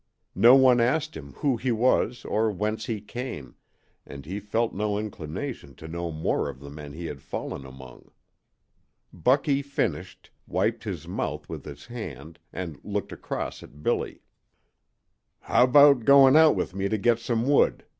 No one asked him who he was or whence he came, and he felt no inclination to know more of the men he had fallen among. Bucky finished, wiped his mouth with his hand, and looked across at Billy. "How about going out with me to get some wood?"